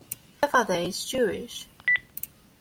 Her father is Jewish.